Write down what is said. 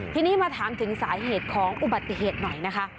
ทีนี้มาถามถึงสาเหตุของอุบัติเหตุหน่อยนะคะ